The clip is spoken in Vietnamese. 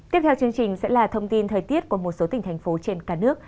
tiếp theo chương trình sẽ là thông tin thời tiết của một số tỉnh thành phố trên cả nước